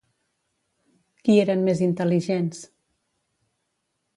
Qui eren més intel·ligents?